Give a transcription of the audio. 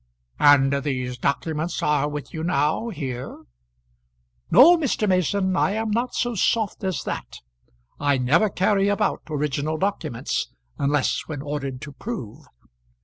"And these documents are with you now, here?" "No, Mr. Mason, I am not so soft as that. I never carry about original documents unless when ordered to prove.